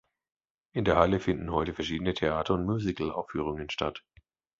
In der Halle finden heute verschiedene Theater und Musical-Aufführungen statt.